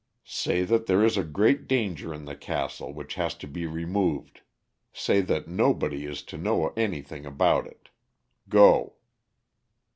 Say that there is a great danger in the castle which has to be removed. Say that nobody is to know anything about it. Go."